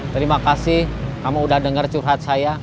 terima kasih kamu udah dengar curhat saya